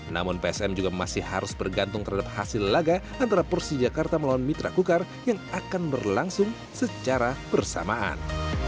namun psm juga masih harus bergantung terhadap hasil laga antara persija jakarta melawan mitra kukar yang akan berlangsung secara bersamaan